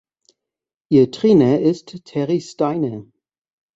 Ihr Trainer ist Terry Steiner.